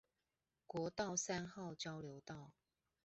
國道三號交流道